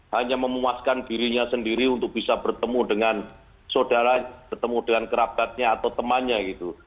hanya memuaskan dirinya sendiri untuk bisa bertemu dengan saudara bertemu dengan kerabatnya atau temannya gitu